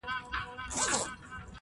ورته ایښی د مغول د حلوا تال دی!.